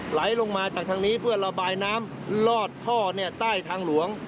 ไหลลงมาจากทางนี้เพื่อระบายน้ำลอดท่อใต้ทางหลวง